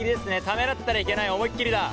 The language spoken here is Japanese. ためらったらいけない思いっきりだ。